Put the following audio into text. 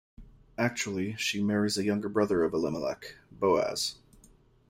Actually, she marries a younger brother of Elimelech, Boaz.